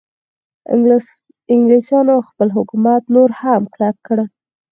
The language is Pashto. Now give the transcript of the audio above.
انګلیسانو خپل حکومت نور هم کلک کړ.